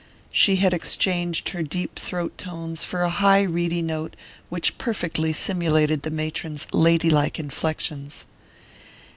'" She had exchanged her deep throat tones for a high reedy note which perfectly simulated the matron's lady like inflections.